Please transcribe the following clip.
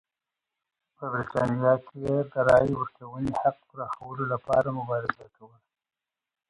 په برېټانیا کې یې د رایې ورکونې حق پراخولو لپاره مبارزه کوله.